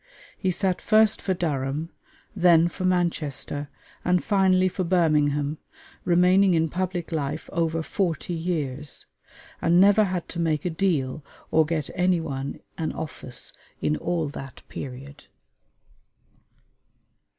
He sat first for Durham, then for Manchester, and finally for Birmingham, remaining in public life over forty years; and never had to make a "deal" or get any one an office in all that period.